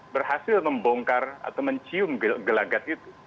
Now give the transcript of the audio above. berhasil membongkar atau mencium gelagat itu